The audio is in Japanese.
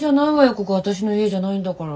ここ私の家じゃないんだから。